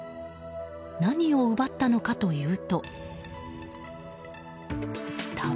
何を奪ったのかというと。